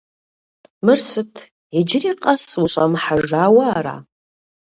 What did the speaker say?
Мыр сыт, иджыри къэс ущӀэмыхьэжауэ ара?